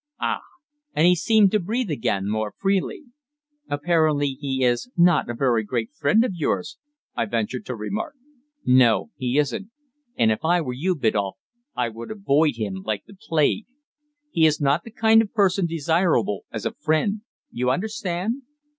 "Ah!" and he seemed to breathe again more freely. "Apparently he is not a very great friend of yours," I ventured to remark. "No he isn't; and if I were you, Biddulph, I would avoid him like the plague. He is not the kind of person desirable as a friend. You understand."